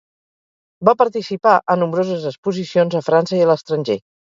Va participar a nombroses exposicions a França i a l'estranger.